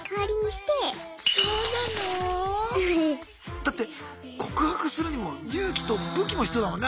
だって告白するにも勇気と武器も必要だもんね